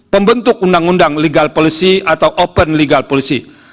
pembentuk undang undang legal policy atau open legal policy